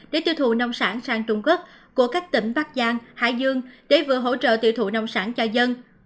để tiêu thụ nông sản sang trung quốc của các tỉnh bắc giang hải dương để vừa hỗ trợ tiêu thụ nông sản cho dân